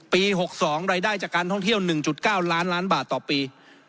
๖๒รายได้จากการท่องเที่ยว๑๙ล้านล้านบาทต่อปี